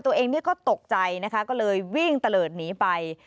ตัวเองก็ตกใจนะคะก็เลยวิ่งตะเลิศหนีไป